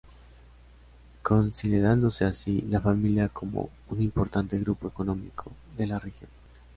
Consolidándose así, la familia como un importante grupo económico de la región.